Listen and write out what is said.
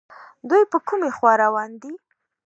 دوی په کومې خوا روان دي